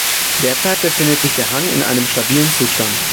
Derzeit befindet sich der Hang in einem stabilen Zustand.